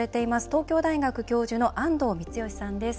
東京大学教授の安藤光義さんです。